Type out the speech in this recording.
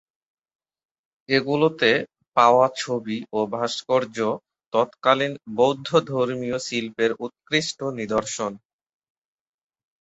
এগুলোতে পাওয়া ছবি ও ভাস্কর্য, তৎকালীন বৌদ্ধধর্মীয় শিল্পের উৎকৃষ্ট নিদর্শন।